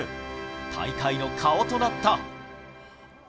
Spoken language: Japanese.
大会の顔となった。